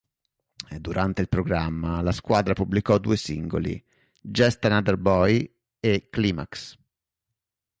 Durante il programma, la squadra pubblicò due singoli: "Just Another Boy" e "Climax".